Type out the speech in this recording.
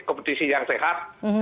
kompetisi yang sehat